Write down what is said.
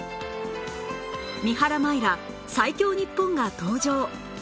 三原舞依ら最強ニッポンが登場